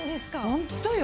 ホントよ。